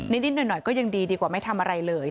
นิดหน่อยก็ยังดีดีกว่าไม่ทำอะไรเลย